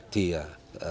thì sẽ không được